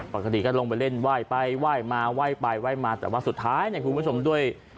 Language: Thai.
ปกติก็ลงไปเล่นไหว้ไปไหว้มาไหว้ไปไหว้มาแต่ว่าสุดท้ายเนี่ยคุณผู้ชมด้วย